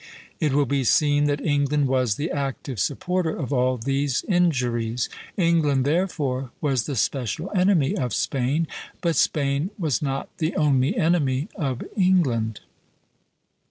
It will be seen that England was the active supporter of all these injuries; England therefore was the special enemy of Spain, but Spain was not the only enemy of England.